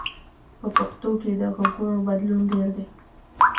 په پښتو کې د غږونو بدلون ډېر دی.